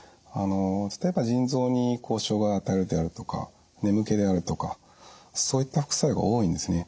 ちょっとやっぱり腎臓に障害を与えるであるとか眠気であるとかそういった副作用が多いんですね。